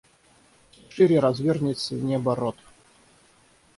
Все шире разверзается неба рот.